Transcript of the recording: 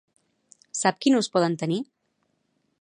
Sap quin ús poden tenir?